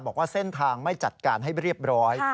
บอกว่าเส้นทางไม่จัดการให้เรียบร้อย